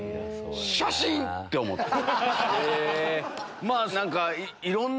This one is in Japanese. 写真⁉って思った。